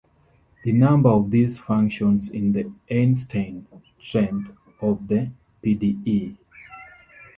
The number of these functions is the "Einstein strength" of the p.d.e.